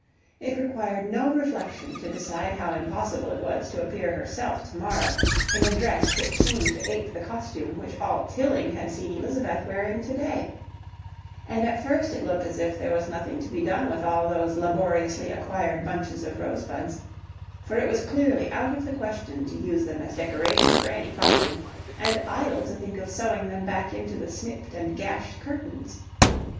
It required no reflection to decide how impossible it was to appear herself to morrow in a dress which seemed to ape the costume which all Tilling had seen Elizabeth wearing to day, and at first it looked as if there was nothing to be done with all those laboriously acquired bunches of rosebuds; for it was clearly out of the question to use them as the decoration for any costume, and idle to think of sewing them back into the snipped and gashed curtains.